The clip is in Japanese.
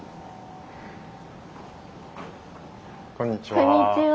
こんにちは。